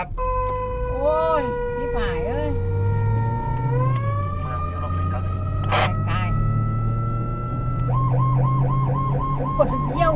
ผู้ชีพเราบอกให้สุจรรย์ว่า๒